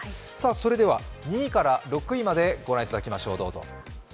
それでは２位から６位まで御覧いただきましょう。